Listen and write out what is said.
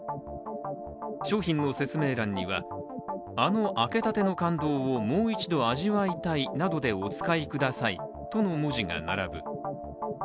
商品の説明欄にはあの開けたての感動をもう一度味わいたい、などでお使いくださいとの文字が並ぶ。